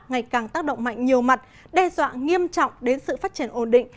ngày càng tác động mạnh nhiều mặt đe dọa nghiêm trọng đến sự phát triển ổn định